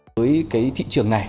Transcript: với thị trường này